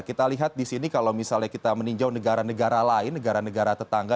kita lihat di sini kalau misalnya kita meninjau negara negara lain negara negara tetangga